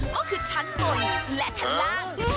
ก็คือชั้นบนและชั้นล่าง